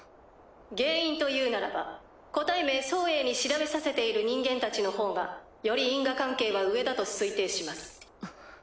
原因というならば個体名ソウエイに調べさせている人間たちのほうがより因果関係は上だと推定します。